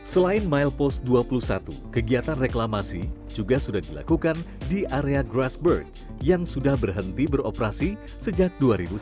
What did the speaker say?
selain milepost dua puluh satu kegiatan reklamasi juga sudah dilakukan di area grassberg yang sudah berhenti beroperasi sejak dua ribu sembilan belas